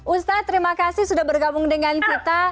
ustadz terima kasih sudah bergabung dengan kita